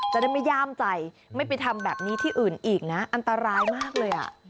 จะได้ไม่ย่ามใจไม่ไปทำแบบนี้ที่อื่นอีกนะอันตรายมากเลยอ่ะ